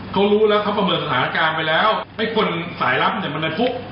เขารู้แล้วเขาประเมินสถานการณ์ไปแล้วไอ้คนสายลับเนี่ยมันดันฟุก